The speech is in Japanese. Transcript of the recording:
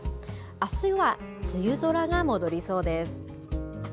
あすは梅雨空が戻りそうです。